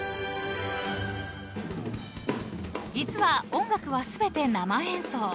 ［実は音楽は全て生演奏］